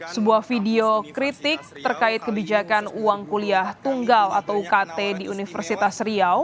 sebuah video kritik terkait kebijakan uang kuliah tunggal atau ukt di universitas riau